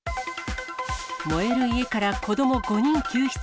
燃える家から子ども５人救出。